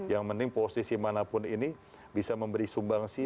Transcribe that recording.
yang penting posisi manapun ini bisa memberi sumbangsi